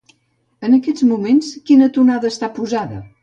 En aquests moments quina tonada està posada?